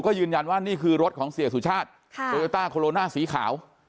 ก็ยืนยันว่านี่คือรถของเสียสุชาติโตโยต้าโคโลน่าสีขาว